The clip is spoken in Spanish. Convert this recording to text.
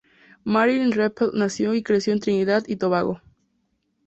Marilyn Raphael nació y creció en Trinidad y Tobago.